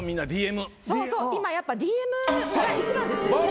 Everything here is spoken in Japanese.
そうそう今やっぱＤＭが一番です。